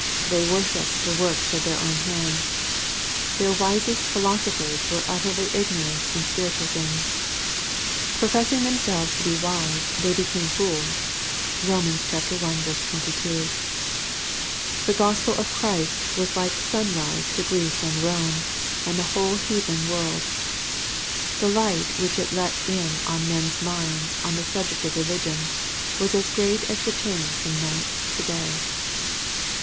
They worshipped the works of their own hands. Their wisest philosophers were utterly ignorant in spiritual things. " Professing themselves to be wise they became fools/' (Rom. i 22.) The Gospel of Christ was like sun rise to Greece and Eome, and the whole heathen world. The light which it let in on men's minds on the subject of religion, was as great as the change from night to day.